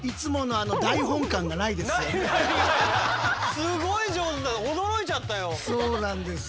すごい上手で驚いちゃったよ。